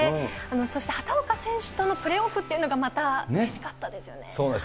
そして畑岡選手とのプレーオフっていうのがまたうれしかったですそうなんです。